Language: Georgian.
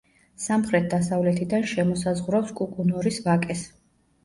სამხრეთ-დასავლეთიდან შემოსაზღვრავს კუკუნორის ვაკეს.